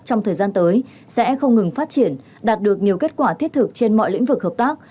trong thời gian tới sẽ không ngừng phát triển đạt được nhiều kết quả thiết thực trên mọi lĩnh vực hợp tác